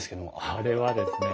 あれはですね